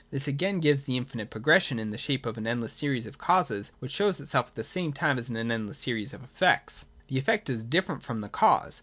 This again gives the infinite progress, in the shape of an endless series of causes, which shows itself at the same time as an endless series of effects. 154.] The effect is different from the cause.